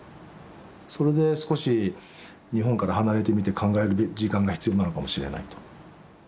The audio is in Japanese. それで少し日本から離れてみて考える時間が必要なのかもしれないと。